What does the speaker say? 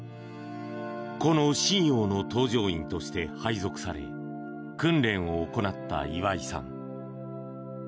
この「震洋」の搭乗員として配属され訓練を行った岩井さん。